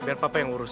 biar papa yang urus